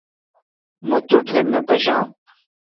مہ توٹھے نہ پشام۔